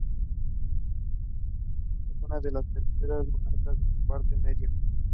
Una tercera marca es su aparente "miedo".